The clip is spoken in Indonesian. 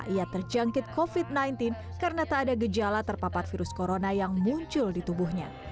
ia terjangkit covid sembilan belas karena tak ada gejala terpapar virus corona yang muncul di tubuhnya